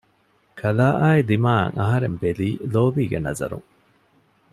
ކަލާއާއި ދިމާއަށް އަހަރެން ބެލީ ލޯބީގެ ނަޒަރުން